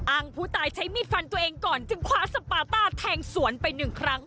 ผู้ตายใช้มีดฟันตัวเองก่อนจึงคว้าสปาต้าแทงสวนไปหนึ่งครั้ง